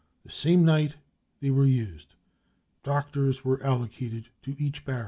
That same night they were used. Doctors w^ye allocated to each barracks.